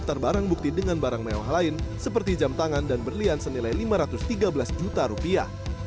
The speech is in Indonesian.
daftar barang bukti dengan barang mewah lain seperti jam tangan dan berlian senilai lima ratus tiga belas juta rupiah